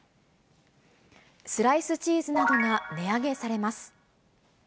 スライスチーズなどが値上げされます。